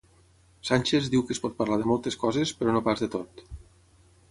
Sánchez diu que es pot parlar de moltes coses, però no pas de tot.